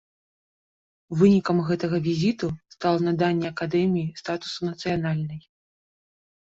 Вынікам гэтага візіту стала наданне акадэміі статусу нацыянальнай.